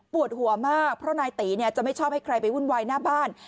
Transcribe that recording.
หัวมากเพราะนายตีจะไม่ชอบให้ใครไปวุ่นวายหน้าบ้าน